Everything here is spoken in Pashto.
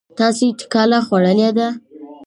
تاسې ټکله خوړلې ده؟